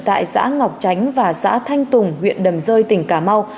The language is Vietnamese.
tại xã ngọc chánh và xã thanh tùng huyện đầm rơi tỉnh cà mau